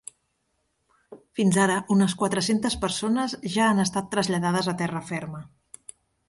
Fins ara unes quatre-centes persones ja han estat traslladades a terra ferma.